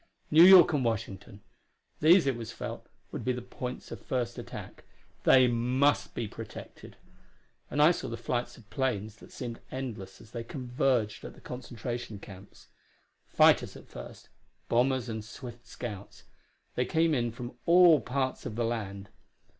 New York and Washington these, it was felt, would be the points of first attack; they must be protected. And I saw the flights of planes that seemed endless as they converged at the concentration camps. Fighters, at first bombers and swift scouts they came in from all parts of the land.